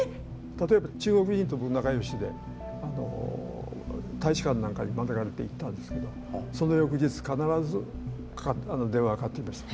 例えば中国人と僕仲よしで大使館なんかに招かれて行ったんですけどその翌日必ず電話がかかってきました。